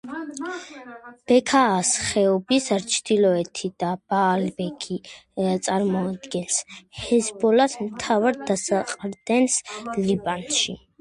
ბექაას ხეობის ჩრდილოეთი და ბაალბექი წარმოადგენს ჰეზბოლას მთავარ დასაყრდენს ლიბანში.